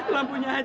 lampunya aja mami